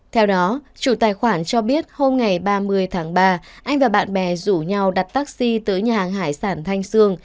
theo đó chủ tài khoản cho biết hôm ngày ba mươi tháng ba anh và bạn bè rủ nhau đặt taxi tới nhà hàng hải sản thanh sương